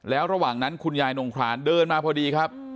แล้วระหว่างนั้นคุณยายนงครานเดินมาพอดีครับ